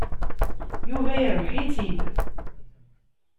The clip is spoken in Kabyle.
Yuba yerbeḥ-itt-id.